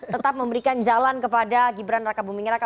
tetap memberikan jalan kepada gibran raka buming raka